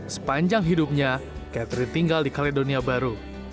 sepanjang hidupnya catherine tinggal di kaledonia baru